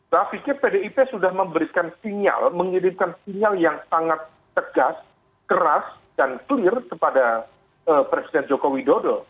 saya pikir pdip sudah memberikan sinyal mengirimkan sinyal yang sangat tegas keras dan clear kepada presiden joko widodo